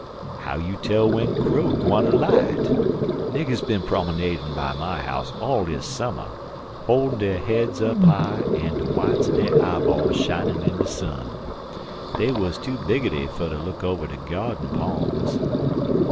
"How you tell w'en crow gwineter light? Niggers bin prom'nadin' by my house all dis summer, holdin' dere heads high up an' de w'ites er dere eyeballs shinin' in de sun. Dey wuz too bigitty fer ter look over de gyardin' palm's.